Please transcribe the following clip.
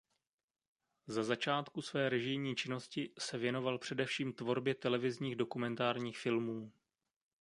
Za začátku své režijní činnosti se věnoval především tvorbě televizních dokumentárních filmů.